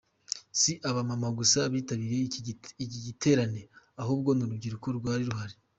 Si aba mama gusa bitabiriye iki giterane ahubwo n'urubyiruko rwari ruhari.